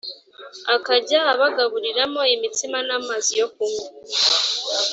akajya abagaburiramo imitsima n’amazi yo kunywa